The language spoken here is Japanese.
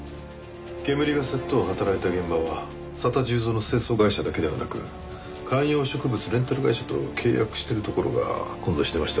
けむりが窃盗を働いた現場は佐田重蔵の清掃会社だけではなく観葉植物レンタル会社と契約してるところが混在していました。